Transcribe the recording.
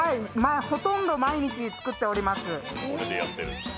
ほとんど毎日作っております。